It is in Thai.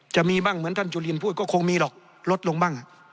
จะมีบ้างเหมือนท่านจุลินพูดก็คงมีหรอกลดลงบ้าง